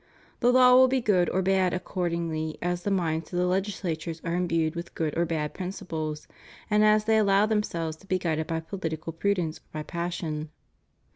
The laws will be good or bad accordingly as the minds of the legis lators are imbued with good or bad principles, and as they allow themselves to be guided by political prudence or by passion.